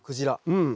うん。